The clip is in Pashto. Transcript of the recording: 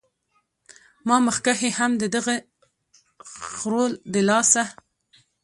ما مخکښې هم د دغه خرو د لاسه